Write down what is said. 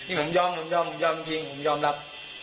นี่ผมยอมยอมจริงยอมรับ